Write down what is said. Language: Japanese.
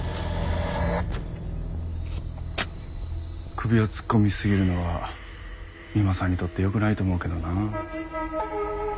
首を突っ込みすぎるのは三馬さんにとってよくないと思うけどな。